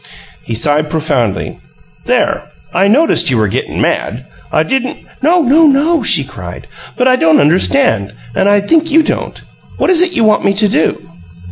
He sighed profoundly. "There! I noticed you were gettin' mad. I didn't " "No, no, no!" she cried. "But I don't understand and I think you don't. What is it you want me to do?"